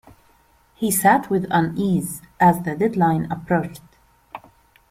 He sat with unease as the deadline approached.